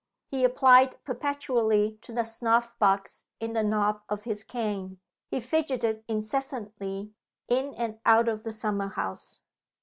He applied perpetually to the snuff box in the knob of his cane. He fidgeted incessantly in and out of the summer house.